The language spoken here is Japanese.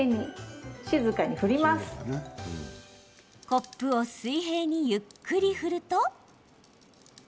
コップを水平にゆっくり振ると。